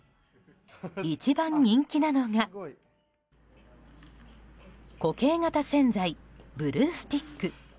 一番人気なのが固形型洗剤ブルースティック。